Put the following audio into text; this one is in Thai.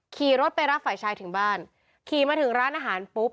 ขี่รถไปรับฝ่ายชายถึงบ้านขี่มาถึงร้านอาหารปุ๊บ